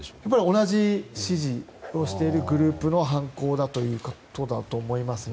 同じ指示をしているグループの犯行だということだと思いますね。